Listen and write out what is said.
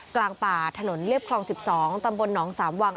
กลางป่าถนนเรียบคลอง๑๒ตำบลหนองสามวัง